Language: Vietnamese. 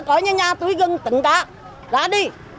có như nhà tôi gần tỉnh cả ra đi